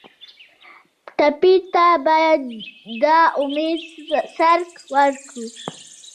ټپي ته باید د امید څرک ورکړو.